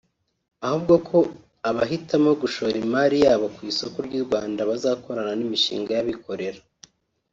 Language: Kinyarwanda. ahubwo ko abahitamo gushora imari yabo ku isoko ry’u Rwanda bazakorana n’imishinga y’abikorera